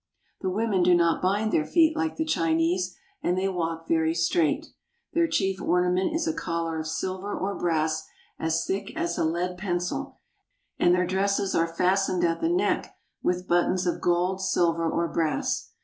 The women do not bind their feet like the Chinese, and they walk very straight. Their chief ornament is a collar of silver or brass as thick as a lead pencil, and their dresses are fastened at the neck with but tons of gold, silver, or brass.